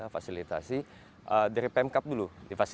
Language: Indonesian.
fasilitasi dari pemkap dulu